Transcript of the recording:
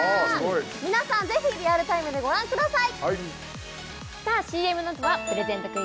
皆さん是非リアルタイムでご覧ください！